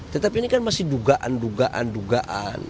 tetapi ini kan masih dugaan dugaan dugaan